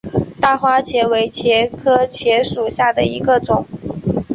大花茄为茄科茄属下的一个种。